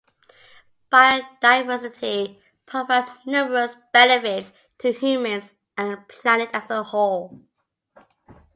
Biodiversity provides numerous benefits to humans and the planet as a whole.